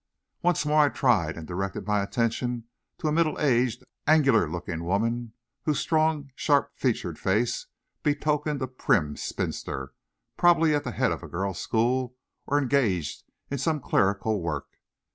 Once more I tried, and directed my attention to a middle aged, angular looking woman, whose strong, sharp featured face betokened a prim spinster, probably at the head of a girls' school, or engaged in some clerical work.